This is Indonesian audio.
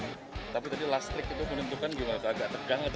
tapi tadi last trick itu menentukan gimana